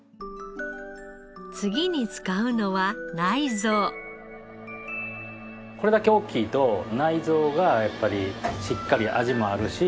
次に使うのはこれだけ大きいと内臓がしっかり味もあるし。